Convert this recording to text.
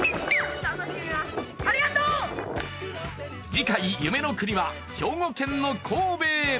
次回夢の国は兵庫県の神戸へ。